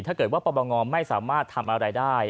ถ้าเกิดว่าปบงไม่สามารถทำอะไรได้